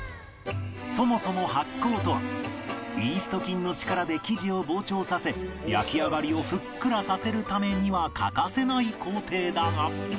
そもそも発酵とはイースト菌の力で生地を膨張させ焼き上がりをふっくらさせるためには欠かせない工程だが